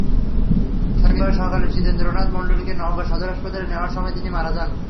শনিবার সকালে শীতেনন্দ্রনাথ মণ্ডলকে নওগাঁ সদর হাসপাতালে নেওয়ার সময় তিনি মারা যান।